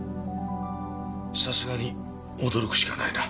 さすがに驚くしかないな。